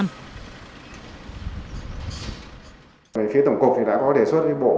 tổng cục đường bộ việt nam quy định phải có chứng chỉ ngoại ngữ đối với giáo viên dạy lái xe là điều bắt buộc